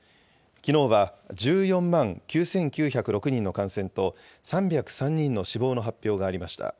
きのうは１４万９９０６人の感染と、３０３人の死亡の発表がありました。